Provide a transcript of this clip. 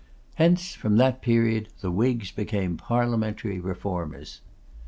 Hence, from that period, the Whigs became Parliamentary Reformers.